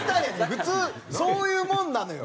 普通そういうもんなのよ。